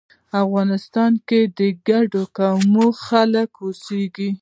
افغانستان کې د ګڼو قومونو خلک اوسیږی